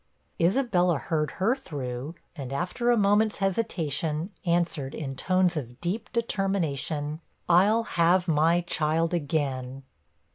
Isabella heard her through, and after a moment's hesitation, answered, in tones of deep determination 'I'll have my child again.'